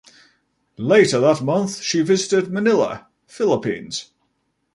Later that month she visited Manila, Philippines.